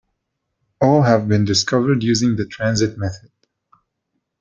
All have been discovered using the transit method.